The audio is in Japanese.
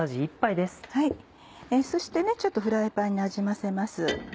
そしてちょっとフライパンになじませます。